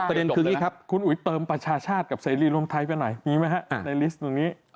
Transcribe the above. ประเด็นคืออย่างนี้ครับคุณอุ๋ยเติมประชาชาติกับเสรีรวมไทยไปหน่อยมีไหมฮะในลิสต์ตรงนี้